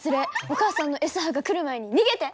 お母さんのＳ波が来る前に逃げて！